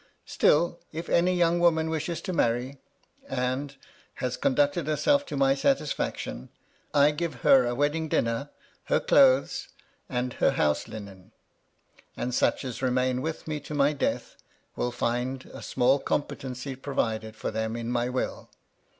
Still, * if any young woman wishes to marry, and has con 18 MY LADY LUDLOW. * ducted herself to my satisfiwstion, I give her a wedding * dinner, her clothes, and her house linen. And such as * remain with me to my death, will find a small com * petency provided for them in my will.